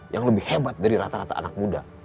yang lebih hebat dari rata rata anak muda